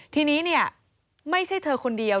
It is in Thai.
ทีนี้ไม่ใช่เธอคนเดียว